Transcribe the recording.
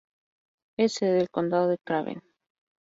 Es sede del condado de Craven.